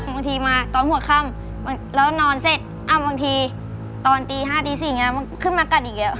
บางทีมาตอนหัวค่ำแล้วนอนเสร็จบางทีตอนตี๕ตี๔มันขึ้นมากัดอีกเยอะ